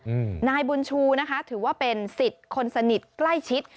อืมนายบุญชูนะคะถือว่าเป็นสิทธิ์คนสนิทใกล้ชิด